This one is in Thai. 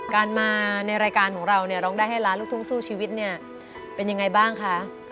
การมาในรายการของเราเนี่ยร้องได้ให้ล้านลูกทุ่งสู้ชีวิตเนี่ยเป็นยังไงบ้างคะ